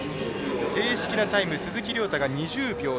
正式なタイム鈴木涼太が２０秒６４。